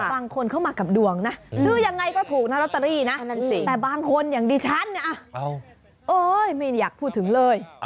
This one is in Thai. บางคนเข้ามากับดวงนะคือยังไงก็ถูกนะลอตเตอรี่นะแต่บางคนอย่างดิฉันเนี่ยไม่อยากพูดถึงเลย